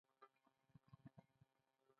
زده کړه د ازادۍ بنسټ دی.